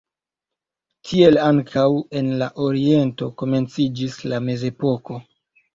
Tiel ankaŭ en la oriento komenciĝis la mezepoko.